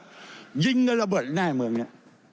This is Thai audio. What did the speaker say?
ยิงกันระเบิดให้ี้เบื้องงี้